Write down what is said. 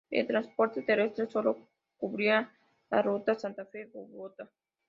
El transporte terrestre solo cubría la ruta Santa Fe, Bogotá.